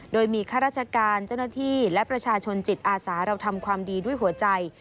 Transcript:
โดยมีข้าราชการเจ้าหน้าที่และประชาชนจิตอาสาเราทำความดีด้วยหัวใจ